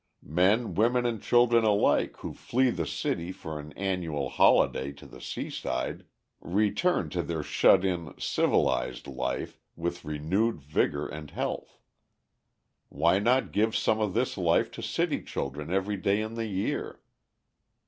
Men, women, and children alike who flee the city for an annual holiday to the seaside return to their shut in, civilized (!) life with renewed vigor and health. Why not give some of this life to city children every day in the year?